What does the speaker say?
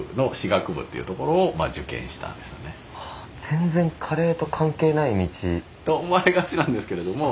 全然カレーと関係ない道。と思われがちなんですけれども。